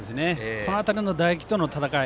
この辺りの打撃との戦い